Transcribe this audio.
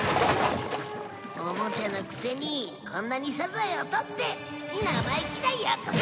おもちゃのクセにこんなにサザエをとって生意気だよこせ！